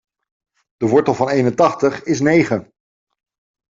De wortel van eenentachtig is negen.